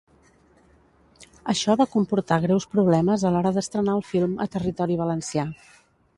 Això va comportar greus problemes a l'hora d'estrenar el film a territori valencià.